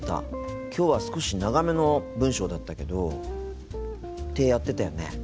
きょうは少し長めの文章だったけどってやってたよね。